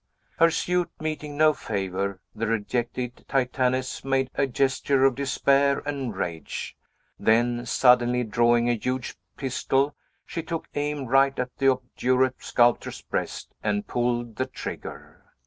Her suit meeting no favor, the rejected Titaness made a gesture of despair and rage; then suddenly drawing a huge pistol, she took aim right at the obdurate sculptor's breast, and pulled the trigger.